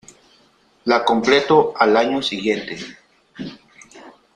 La completó al año siguiente.